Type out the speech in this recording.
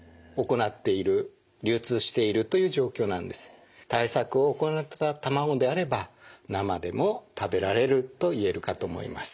しかし現在は対策を行った卵であれば生でも食べられると言えるかと思います。